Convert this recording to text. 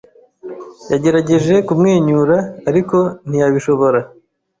yagerageje kumwenyura, ariko ntiyabishobora.